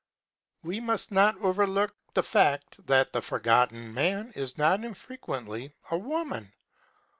We must not overlook the fact that the Forgotten Man is not infrequently a woman.